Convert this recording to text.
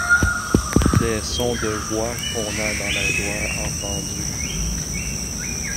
Des sons de voix qu’on a dans la joie entendus ;